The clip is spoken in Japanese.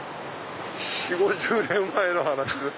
４０５０年前の話です。